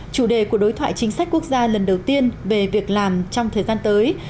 chủ đề của đối thoại chính sách quốc gia lần đầu tiên về việc làm trong thời gian tới